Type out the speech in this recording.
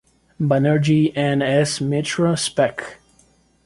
Banerjee and S. Mitra, Spec.